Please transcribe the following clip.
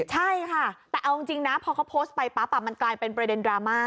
ใช่ค่ะแต่เอาจริงนะพอเขาโพสต์ไปปั๊บมันกลายเป็นประเด็นดราม่า